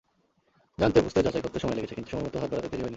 জানতে, বুঝতে, যাচাই করতে সময় লেগেছে, কিন্তু সময়মতো হাত বাড়াতে দেরি হয়নি।